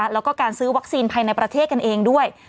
แล้วก็การซื้อวัคซีนภายในประเทศกันเองด้วย